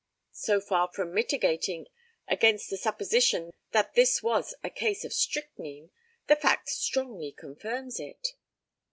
So far from militating against the supposition that this was a case of strychnine, the fact strongly confirms it.